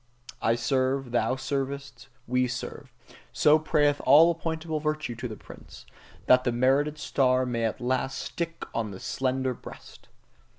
"I serve, thou servest, we serve" so prayeth all appointable virtue to the prince: that the merited star may at last stick on the slender breast!